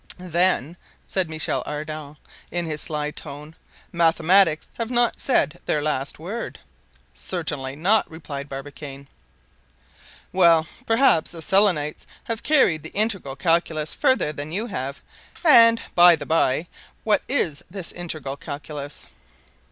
"Then," said Michel Ardan, in his sly tone, "mathematics have not said their last word?" "Certainly not," replied Barbicane. "Well, perhaps the Selenites have carried the integral calculus farther than you have; and, by the bye, what is this 'integral calculus?